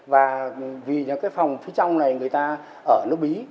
và vì cái phòng phía trong này người ta ở nước bí